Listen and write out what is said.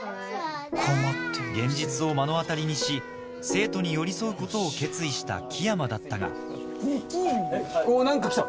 現実を目の当たりにし生徒に寄り添うことを決意した樹山だったがうわっ何か来た！